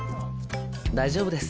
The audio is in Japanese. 大丈夫です。